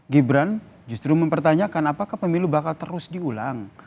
gibran justru mempertanyakan apakah pemilu bakal terus diulang